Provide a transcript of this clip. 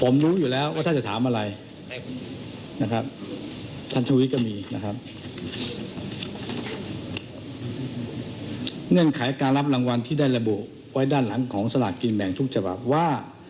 เงื่อนไขการรับรางวัลที่ได้ระบุไว้ด้านหลังของสลากกินแบ่งทุกฉบับว่า